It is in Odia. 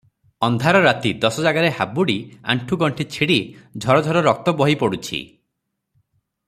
ଅନ୍ଧାର ରାତି ଦଶ ଜାଗାରେ ହାବୁଡ଼ି ଆଣ୍ଠୁ ଗଣ୍ଠି ଛିଡ଼ି ଝରଝର ରକ୍ତ ବହି ପଡୁଛି ।